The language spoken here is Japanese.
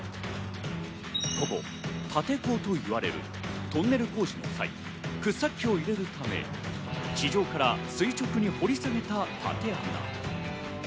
ここ立坑といわれるトンネル工事の際、掘削機を入れるため地上から垂直に掘り下げた縦穴。